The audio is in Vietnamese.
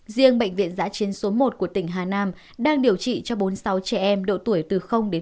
riêng bệnh viện giã chiến số một của tỉnh hà nam đang điều trị cho bốn sáu trẻ em đột tuổi từ một mươi năm